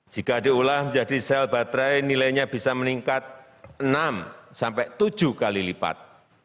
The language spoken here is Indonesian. jika diolah menjadi sel baterai nilainya bisa meningkat enam tujuh kali lipat